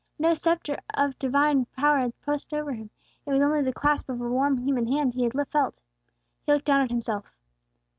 No sceptre of divine power had touched him; it was only the clasp of a warm human hand he had felt. He looked down at himself.